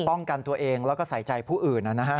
ป้องกันตัวเองแล้วก็ใส่ใจผู้อื่นนะฮะ